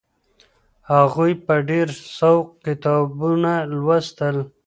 هغوی په ډېر سوق کتابونه لوستل.